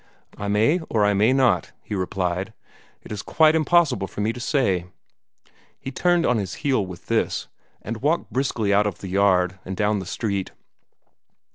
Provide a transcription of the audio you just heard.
"I may or I may not," he replied. "It is quite impossible for me to say." He turned on his heel with this, and walked briskly out of the yard and down the street.